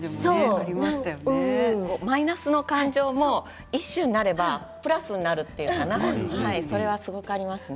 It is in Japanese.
マイナスの感情も一首になればプラスになるというかなそれは、すごくなりますね。